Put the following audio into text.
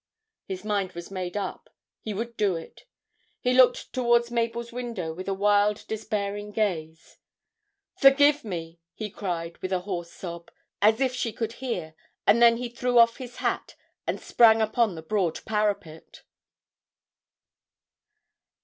His mind was made up he would do it! He looked towards Mabel's window with a wild, despairing gaze. 'Forgive me!' he cried with a hoarse sob, as if she could hear, and then he threw off his hat and sprang upon the broad parapet.